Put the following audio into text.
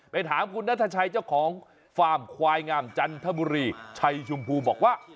ถามคุณนัทชัยเจ้าของฟาร์มควายงามจันทบุรีชัยชมพูบอกว่า